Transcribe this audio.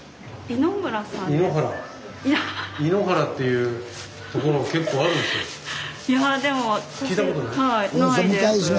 井ノ原っていうところが結構あるんですよ。